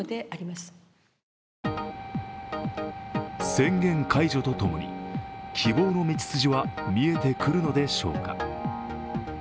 宣言解除とともに希望の道筋は見えてくるのでしょうか。